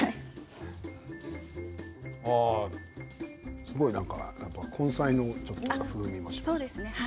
ああ、すごいなんかやっぱり根菜の風味もちょっとします。